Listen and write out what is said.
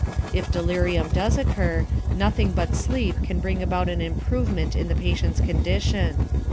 If delirium does occur, nothing but sleep can bring about an improvement in the patient's condition.